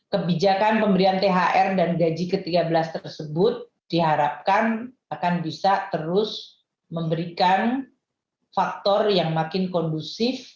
kebijakan pemberian thr dan gaji ke tiga belas tersebut diharapkan akan bisa terus memberikan faktor yang makin kondusif